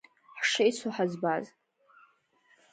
Ҳшеицу ҳазбаз.